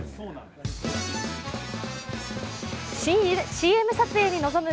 ＣＭ撮影に臨む